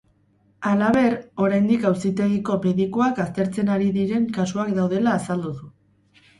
Halaber, oraindik auzitegiko medikuak aztertzen ari diren kasuak daudela azaldu du.